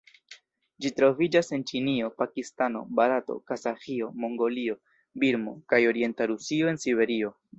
Ĝi troviĝas en Ĉinio, Pakistano, Barato, Kazaĥio, Mongolio, Birmo kaj orienta Rusio en Siberio.